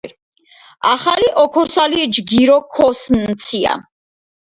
ახალი ოქოსალი ჯგირო ქოსჷნცია